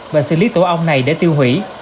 và xử lý tổ ong này để tiêu hủy